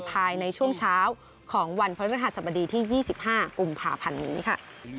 ภายในช่วงเช้าของวันพระฤหัสบดีที่๒๕กุมภาพันธ์นี้ค่ะ